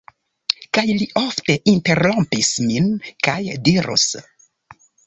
Kaj li ofte interrompus min, kaj dirus: